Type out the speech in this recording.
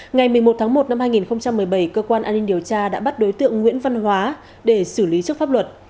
ngày một mươi một tháng một năm hai nghìn một mươi bảy cơ quan an ninh điều tra đã bắt đối tượng nguyễn văn hóa để xử lý trước pháp luật